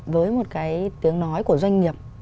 với một cái tiếng nói của doanh nghiệp